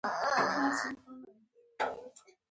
ډیجیټل بانکوالي د وخت او انرژۍ سپما ده.